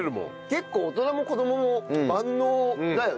結構大人も子供も万能だよね。